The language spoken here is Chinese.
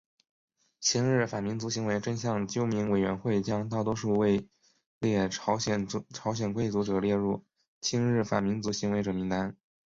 亲日反民族行为真相纠明委员会将大多数位列朝鲜贵族者列入亲日反民族行为者名单。